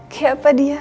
kayak apa dia